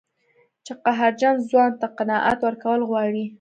چې قهرجن ځوان ته قناعت ورکول غواړي.